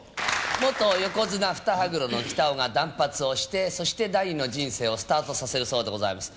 元横綱・双羽黒の北尾が断髪をして、そして第二の人生をスタートさせるそうでございます。